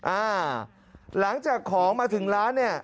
อ่าหลังจากของมาถึงร้านเนี่ย